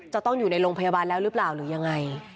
จะต้องอยู่ในโรงพยาบาลแล้วหรือเปล่าหรือยังไง